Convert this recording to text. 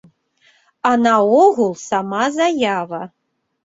А наогул, сама заява.